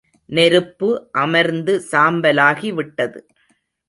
நெருப்பு அமர்ந்து சாம்பலாகி விட்டது.